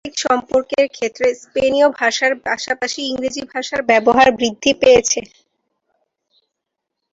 আন্তর্জাতিক সম্পর্কের ক্ষেত্রে স্পেনীয় ভাষার পাশাপাশি ইংরেজি ভাষার ব্যবহার বৃদ্ধি পেয়েছে।